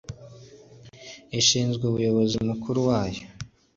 ishinzwe Umuyobozi Mukuru wayo